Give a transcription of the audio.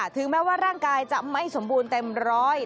ถึงแม้ว่าร่างกายจะไม่สมบูรณ์เต็มร้อย